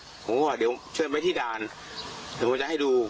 ผมว่าเดี๋ยวเชิญไปที่ด่านเดี๋ยวผมจะให้ดู